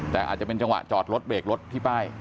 แต่อาจจะเป็นจังหวะจอดรถเบรกรถที่ป้าย